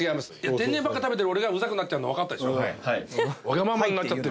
天然ばっか食べてる俺がうざくなっちゃうの分かったでしょ？